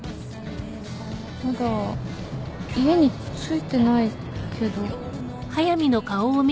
まだ家に着いてないけど。